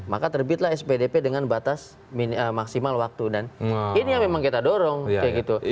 maka terbitlah spdp dengan batas maksimal waktu dan ini yang memang kita dorong kayak gitu